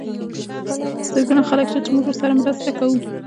زرګونه خلک شته چې موږ ورسره مرسته کوو.